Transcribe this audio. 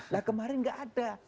lah kemarin tidak ada